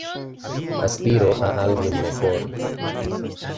Aspiro a alguien mejor.